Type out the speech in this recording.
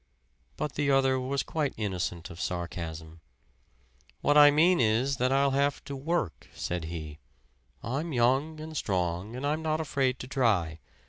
But the other was quite innocent of sarcasm. "What I mean is that I'll have to work," said he. "I'm young and strong, and I'm not afraid to try.